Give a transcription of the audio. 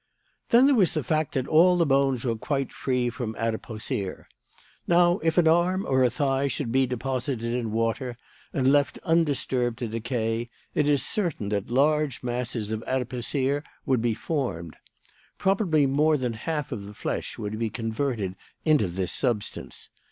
"Then there was the fact that all the bones were quite free from adipocere. Now, if an arm or a thigh should be deposited in water and left undisturbed to decay, it is certain that large masses of adipocere would be formed. Probably more than half of the flesh would be converted into this substance.